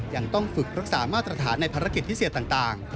ยังต้องฝึกรักษามาตรฐานในภารกิจพิเศษต่าง